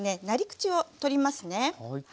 なり口を取りますね。